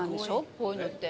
こういうのって。